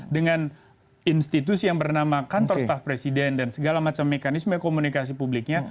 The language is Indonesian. dengan institusi yang bernama kantor staf presiden dan segala macam mekanisme komunikasi publiknya